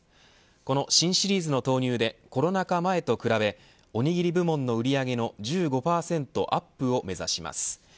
この新シリーズの投入でコロナ禍前と比べおにぎり部門の売り上げの１５％アップを目指します。